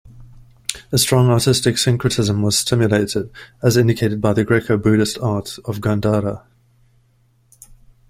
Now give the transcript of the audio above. A strong artistic syncretism was stimulated, as indicated by the Greco-Buddhist art of Gandhara.